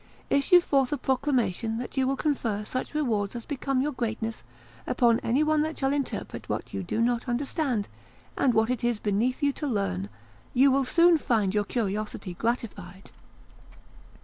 Issue forth a proclamation that you will confer such rewards as become your greatness upon any one that shall interpret what you do not understand, and what it is beneath you to learn; you will soon find your curiosity gratified."